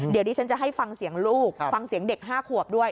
เดี๋ยวดิฉันจะให้ฟังเสียงลูกฟังเสียงเด็ก๕ขวบด้วย